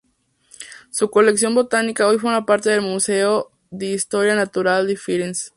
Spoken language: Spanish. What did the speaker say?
Su colección botánica hoy forma parte del Museo di Storia Naturale di Firenze.